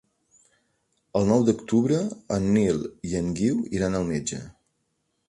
El nou d'octubre en Nil i en Guiu iran al metge.